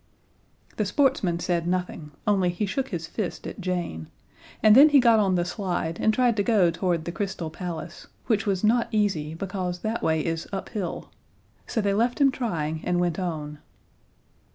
The sportsman said nothing, only he shook his fist at Jane, and then he got on the slide and tried to go toward the Crystal Palace which was not easy, because that way is uphill. So they left him trying, and went on.